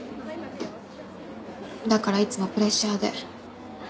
だからいつもプレッシャーで。